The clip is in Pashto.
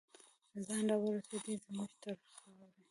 ځان راورسوي دی زمونږ تر خاورې